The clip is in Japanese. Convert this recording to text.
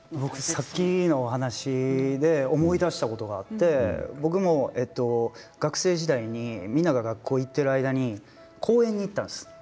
さっきの話を聞いて思い出したことがあって僕も学生時代にみんなが学校に行っている間に公園に行ったんです。